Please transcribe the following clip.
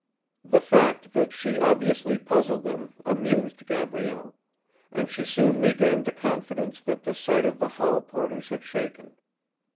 The fact that she obviously puzzled them amused Gabrielle, and she soon regained the confidence that the sight of the hall porters had shaken.